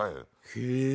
へえ。